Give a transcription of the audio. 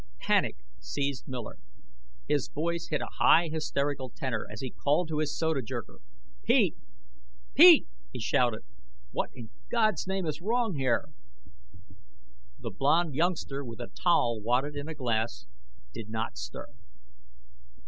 Panic seized Miller. His voice hit a high hysterical tenor as he called to his soda jerker. "Pete! Pete!" he shouted. "What in God's name is wrong here!" The blond youngster, with a towel wadded in a glass, did not stir.